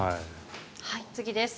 次です。